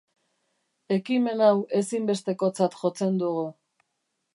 Ekimen hau ezinbestekotzat jotzen dugu.